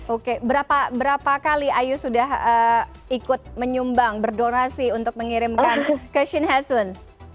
oke berapa kali ayu sudah ikut menyumbang berdonasi untuk mengirimkan ke shin hasun